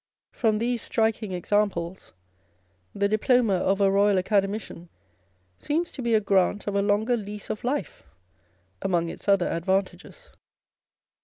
From these striking examples, the diploma of a Eoyal Academician seems to be a grant of a longer lease of life, among its other advantages.